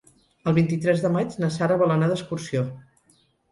El vint-i-tres de maig na Sara vol anar d'excursió.